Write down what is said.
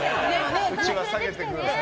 うちわ下げてください。